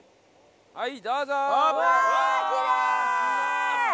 はいどうぞ！